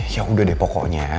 ya udah deh pokoknya